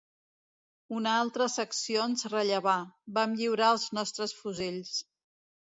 Una altra secció ens rellevà, vam lliurar els nostres fusells